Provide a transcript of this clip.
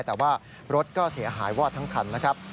แต่ว่ารถก็เสียหายวอดทั้งคันนะครับ